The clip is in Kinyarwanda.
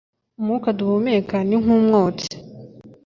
umwuka duhumeka ni nk'umwotsi